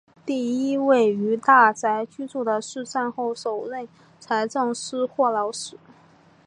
第一位于大宅居住的是战后首任财政司霍劳士。